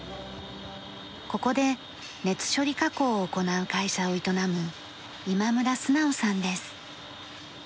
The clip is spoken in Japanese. ここで熱処理加工を行う会社を営む今村順さんです。